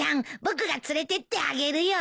僕が連れてってあげるよ。